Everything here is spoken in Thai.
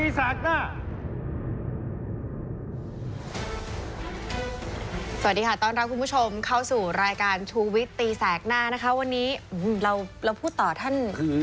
สวัสดีค่ะต้อนรับคุณผู้ชมเข้าสู่รายการชูวิตตีแสกหน้านะคะวันนี้เราเราพูดต่อท่าน